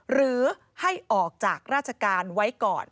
หรือให้ออกจากราชการไว้ก่อน